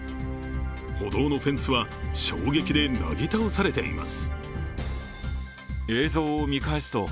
歩道のフェンスは衝撃でなぎ倒されています。